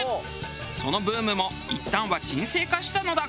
そのブームもいったんは沈静化したのだが。